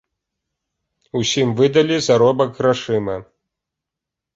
Усім выдалі заробак грашыма.